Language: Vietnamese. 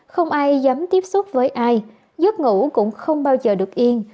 không ai dám tiếp xúc với ai giấc ngủ cũng không bao giờ được yên